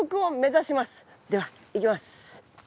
では行きます。